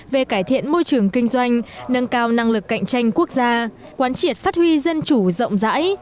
về cải thiện môi trường kinh doanh nâng cao năng lực cạnh tranh quốc gia quán triệt phát huy dân chủ rộng rãi